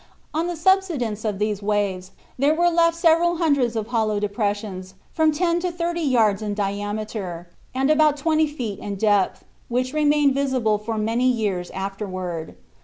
On the subsidence of these waves, there were left several hundreds of hollow depressions from ten to thirty yards in diameter, and about twenty feet in depth, which remained visible for many years afterward.